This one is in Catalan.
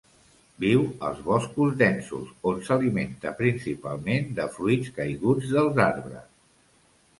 Viu als boscos densos, on s'alimenta principalment de fruits caiguts dels arbres.